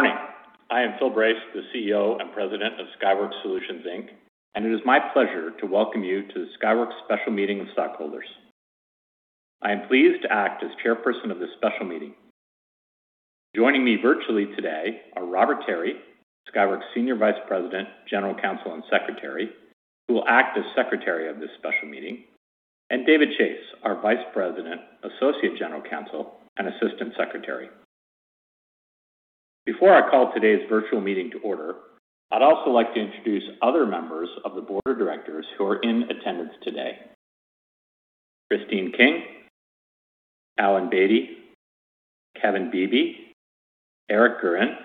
Morning! I am Phil Brace, the CEO and President of Skyworks Solutions, Inc., and it is my pleasure to welcome you to the Skyworks Special Meeting of Stockholders. I am pleased to act as chairperson of this special meeting. Joining me virtually today are Robert Terry, Skyworks Senior Vice President, General Counsel, and Secretary, who will act as Secretary of this special meeting, and David Chase, our Vice President, Associate General Counsel, and Assistant Secretary. Before I call today's virtual meeting to order, I'd also like to introduce other members of the board of directors who are in attendance today. Christine King, Alan S. Batey, Kevin Beebe, Eric J. Guerin,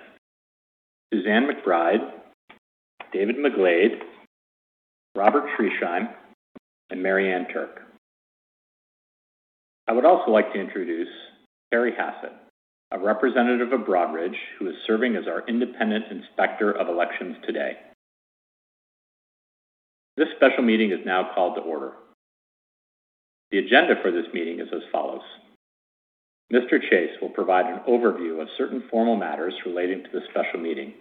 Suzanne McBride, David P. McGlade, Robert A. Schriesheim, and Maryann Turcke. I would also like to introduce Terry Hassett, a representative of Broadridge, who is serving as our independent inspector of elections today. This special meeting is now called to order. The agenda for this meeting is as follows: Mr. Chase will provide an overview of certain formal matters relating to this special meeting.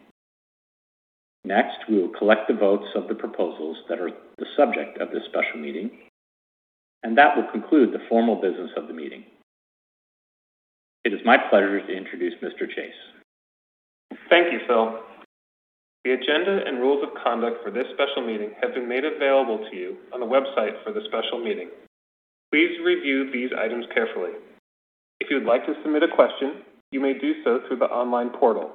Next, we will collect the votes of the proposals that are the subject of this special meeting, and that will conclude the formal business of the meeting. It is my pleasure to introduce Mr. Chase. Thank you, Phil. The agenda and rules of conduct for this special meeting have been made available to you on the website for the special meeting. Please review these items carefully. If you would like to submit a question, you may do so through the online portal.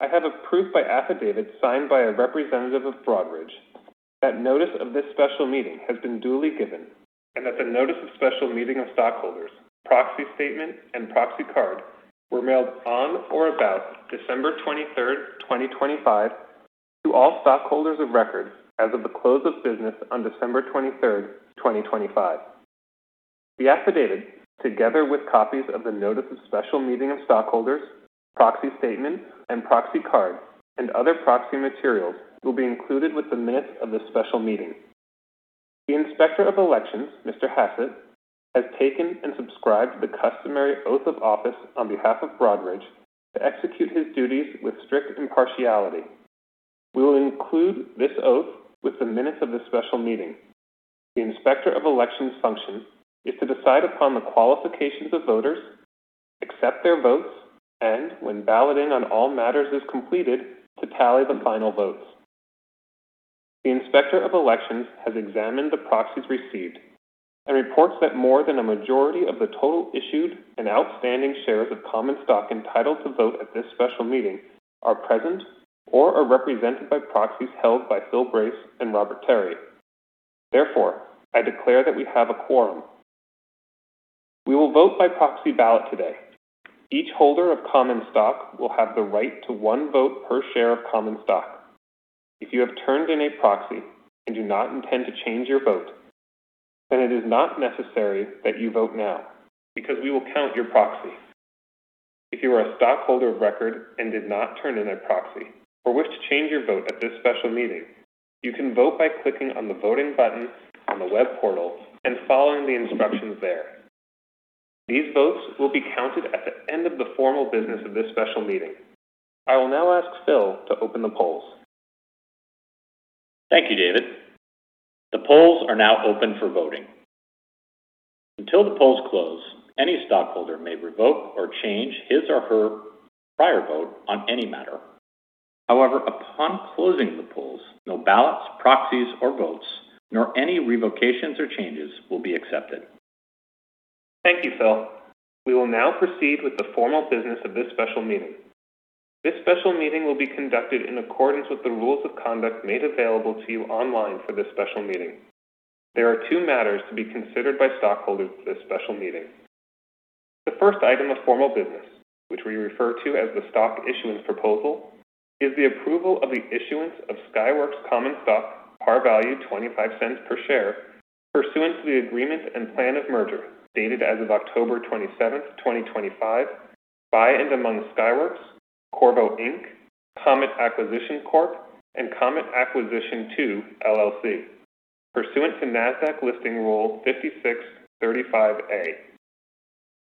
I have a proof by affidavit, signed by a representative of Broadridge, that notice of this special meeting has been duly given and that the notice of special meeting of stockholders, proxy statement, and proxy card were mailed on or about December 23, 2025, to all stockholders of record as of the close of business on December 23, 2025. The affidavit, together with copies of the notice of special meeting of stockholders, proxy statement, and proxy card, and other proxy materials, will be included with the minutes of this special meeting. The Inspector of Elections, Mr. Hassett has taken and subscribed the customary oath of office on behalf of Broadridge to execute his duties with strict impartiality. We will include this oath with the minutes of this special meeting. The Inspector of Elections function is to decide upon the qualifications of voters, accept their votes, and when balloting on all matters is completed, to tally the final votes. The Inspector of Elections has examined the proxies received and reports that more than a majority of the total issued and outstanding shares of common stock entitled to vote at this special meeting are present or are represented by proxies held by Phil Brace and Robert Terry. Therefore, I declare that we have a quorum. We will vote by proxy ballot today. Each holder of common stock will have the right to one vote per share of common stock. If you have turned in a proxy and do not intend to change your vote, then it is not necessary that you vote now because we will count your proxy. If you are a stockholder of record and did not turn in a proxy, or wish to change your vote at this special meeting, you can vote by clicking on the voting button on the web portal and following the instructions there. These votes will be counted at the end of the formal business of this special meeting. I will now ask Phil to open the polls. Thank you, David. The polls are now open for voting. Until the polls close, any stockholder may revoke or change his or her prior vote on any matter. However, upon closing the polls, no ballots, proxies, or votes, nor any revocations or changes will be accepted. Thank you, Phil. We will now proceed with the formal business of this special meeting. This special meeting will be conducted in accordance with the rules of conduct made available to you online for this special meeting. There are two matters to be considered by stockholders at this special meeting. The first item of formal business, which we refer to as the stock issuance proposal, is the approval of the issuance of Skyworks common stock, par value 25 cents per share, pursuant to the agreement and plan of merger, dated as of October 27, 2025, by and among Skyworks, Qorvo, Inc., Comet Acquisition Corp., and Comet Acquisition II, LLC, pursuant to Nasdaq Listing Rule 5635(a).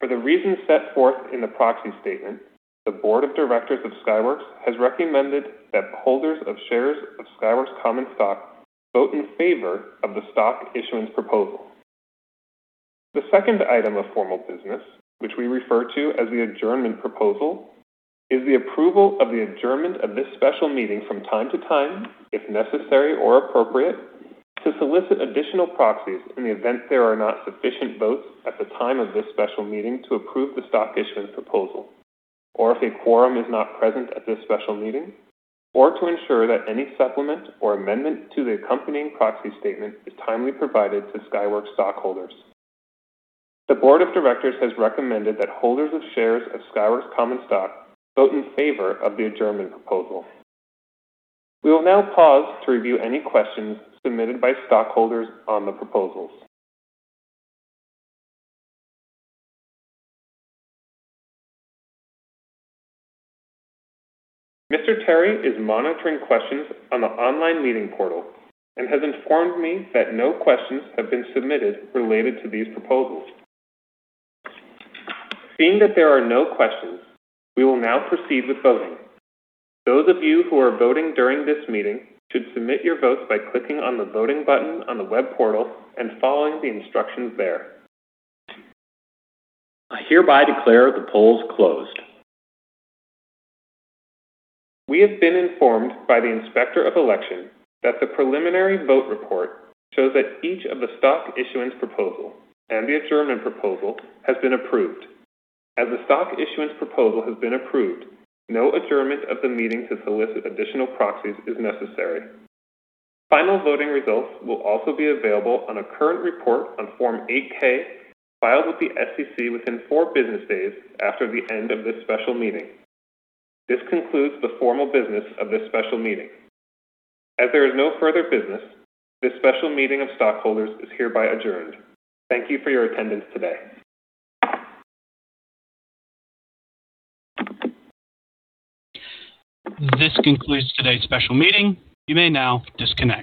For the reasons set forth in the Proxy Statement, the board of directors of Skyworks has recommended that holders of shares of Skyworks common stock vote in favor of the stock issuance proposal. The second item of formal business, which we refer to as the adjournment proposal, is the approval of the adjournment of this special meeting from time to time, if necessary or appropriate, to solicit additional proxies in the event there are not sufficient votes at the time of this special meeting to approve the stock issuance proposal, or if a quorum is not present at this special meeting, or to ensure that any supplement or amendment to the accompanying Proxy Statement is timely provided to Skyworks stockholders. The board of directors has recommended that holders of shares of Skyworks common stock vote in favor of the adjournment proposal. We will now pause to review any questions submitted by stockholders on the proposals. Mr. Terry is monitoring questions on the online meeting portal and has informed me that no questions have been submitted related to these proposals. Seeing that there are no questions, we will now proceed with voting. Those of you who are voting during this meeting should submit your votes by clicking on the voting button on the web portal and following the instructions there. I hereby declare the polls closed. We have been informed by the Inspector of Election that the preliminary vote report shows that each of the stock issuance proposal and the adjournment proposal has been approved. As the stock issuance proposal has been approved, no adjournment of the meeting to solicit additional proxies is necessary. Final voting results will also be available on a current report on Form 8-K, filed with the SEC within four business days after the end of this special meeting. This concludes the formal business of this special meeting. As there is no further business, this special meeting of stockholders is hereby adjourned. Thank you for your attendance today. This concludes today's special meeting. You may now disconnect.